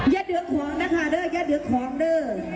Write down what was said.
อย่าเดือกของนะคะเด้ออย่าเดือกของเด้อ